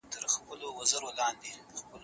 ټولنپوهنه موږ ته د همکارۍ درس راکوي.